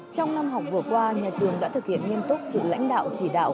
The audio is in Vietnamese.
trong năm học vừa qua nhà trường đã thực hiện nghiêm túc sự lãnh đạo chỉ đạo